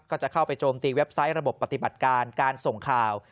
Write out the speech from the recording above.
ก็จะเข้าไปโจมตีเว็บไซต์ระบบปฏิบัติการการส่งข่าว